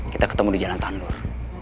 kita ketemu di jalan sandur